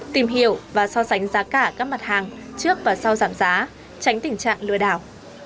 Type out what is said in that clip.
tìm hiểu và so sánh giá cả các mặt hàng trước và sau giảm giá tránh tình trạng lừa đảo